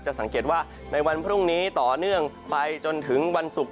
สังเกตว่าในวันพรุ่งนี้ต่อเนื่องไปจนถึงวันศุกร์